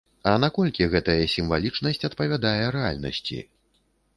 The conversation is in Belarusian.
А наколькі гэтая сімвалічнасць адпавядае рэальнасці?